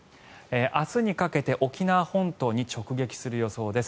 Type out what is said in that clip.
明日にかけて沖縄本島に直撃する予想です。